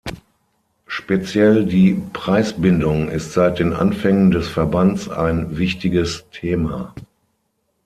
Speziell die Preisbindung ist seit den Anfängen des Verbands ein wichtiges Thema.